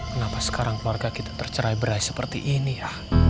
kenapa sekarang keluarga kita tercerai berai seperti ini ya